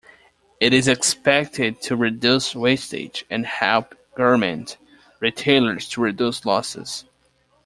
It is expected to reduce wastage and help garment retailers to reduce losses.